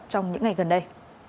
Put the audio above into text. trong những ngày gần đây